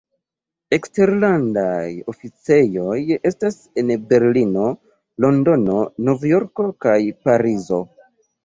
Eksterlandaj oficejoj estas en Berlino, Londono, Novjorko kaj Parizo.